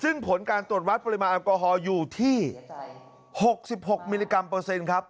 ซึ่งผลการตรวจวัดปริมาณแอลกอฮอล์อยู่ที่๖๖มิลลิกรัมเปอร์เซ็นต์ครับ